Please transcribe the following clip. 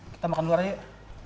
kita makan luar yuk